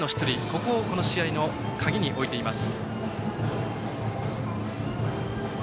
そこをこの試合の鍵に置いています。